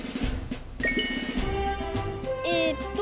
えっと